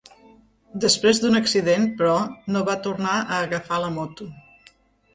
Després d'un accident, però, no va tornar a agafar la moto.